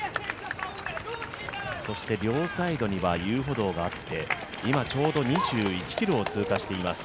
そして両サイドには遊歩道があって今、ちょうど２１ｋｍを通過しています。